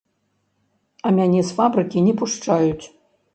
А мяне з фабрыкі не пушчаюць.